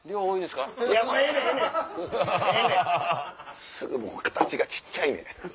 すぐもう形が小っちゃい。